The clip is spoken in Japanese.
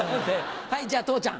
じゃあ父ちゃん。